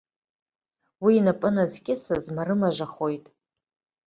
Уи инапы назкьысыз марымажахоит.